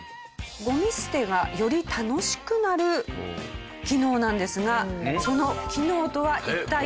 ゴミ捨てがより楽しくなる機能なんですがその機能とは一体なんでしょうか？